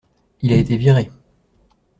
Il a été viré.